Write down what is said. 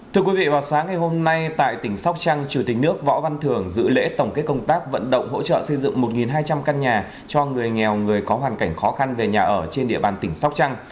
thưa quý vị vào sáng ngày hôm nay tại tỉnh sóc trăng chủ tịch nước võ văn thưởng dự lễ tổng kết công tác vận động hỗ trợ xây dựng một hai trăm linh căn nhà cho người nghèo người có hoàn cảnh khó khăn về nhà ở trên địa bàn tỉnh sóc trăng